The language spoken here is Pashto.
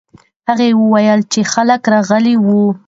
هغه وویل چې خلک راغلي وو.